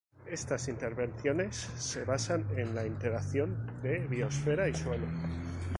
Estas intervenciones se basan en la interacción de biosfera y suelo.